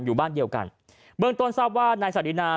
อยู่บ้านเดียวกันเบื้องต้นทราบว่านายสาดินา